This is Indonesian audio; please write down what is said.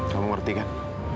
kamu ngerti kan